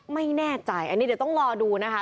ไม่แน่ใจอันนี้เดี๋ยวต้องรอดูนะคะ